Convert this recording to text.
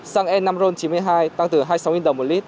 xăng e năm ron chín mươi hai tăng từ hai mươi sáu đồng một lít